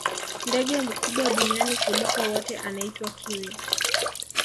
ndege mkubwa duniani kuliko wote anaitwa kiwi